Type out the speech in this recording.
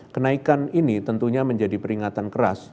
kenaikan ini tentunya menjadi peringatan keras